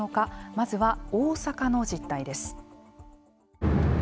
まずは大阪の実態です。